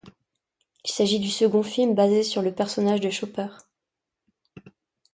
Il s'agit du second film basé sur le personnage de Chopper.